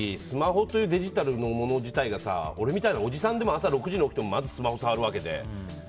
スマホというデジタルのもの自体が俺みたいなおじさんでも朝６時に起きてまずスマホを触るわけで。